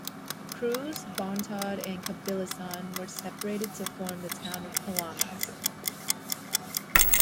Cruz, Bontod and Cabil-isan were separated to form the town of Palanas.